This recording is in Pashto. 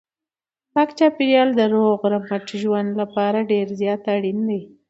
پاک چاپیریال د روغ رمټ ژوند لپاره ډېر زیات اړین دی.